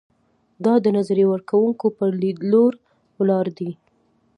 دا د نظریه ورکوونکو پر لیدلورو ولاړ دی.